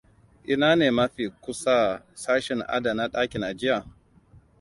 Ina ne mafi kusa sashen adana ɗakin ajiya?